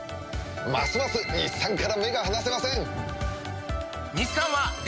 ますます日産から目が離せません！